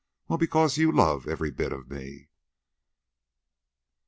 well, because you love every bit of me."